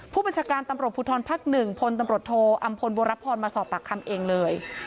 ผู้บัญชาการตำรวจภูทรภักดิ์๑พลตำรวจโทอำพลบัวรพรมาสอบปากคำเองเลย